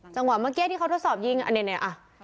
จังหวะเมื่อกี้ที่เขาทดสอบยิงอันนี้เนี่ย